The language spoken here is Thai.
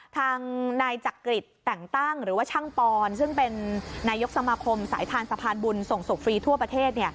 ทางนายจักริตแต่งตั้งหรือว่าช่างปอนซึ่งเป็นนายกสมาคมสายทานสะพานบุญส่งศพฟรีทั่วประเทศ